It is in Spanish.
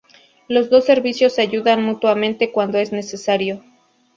Los dos servicios se ayudan mutuamente cuando es necesario.